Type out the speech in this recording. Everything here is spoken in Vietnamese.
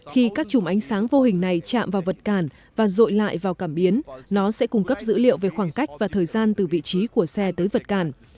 khi các chùm ánh sáng vô hình này chạm vào vật cản và dội lại vào cảm biến nó sẽ cung cấp dữ liệu về khoảng cách và thời gian từ vị trí của xe tới vật cản